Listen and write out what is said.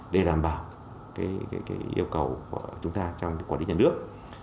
để đảm bảo cái yêu cầu của chúng ta trong quản lý nhân nước